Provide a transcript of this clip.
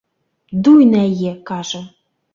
Дуй на яе, кажа!